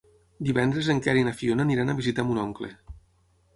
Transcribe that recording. Divendres en Quer i na Fiona aniran a visitar mon oncle.